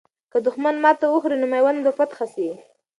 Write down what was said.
که دښمن ماته وخوري، نو میوند به فتح سي.